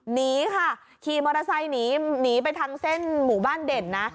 หนีค่ะขี่มอเตอร์ไซค์หนีไปทางเส้นหมู่บ้านเด่นนะ